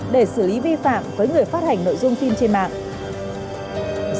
để xử lý vi phạm với người phát hành nội dung phim trên mạng